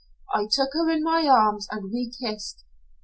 I took her in my arms, and we kissed.